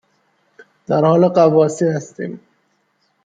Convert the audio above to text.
درحال غواصی هستیم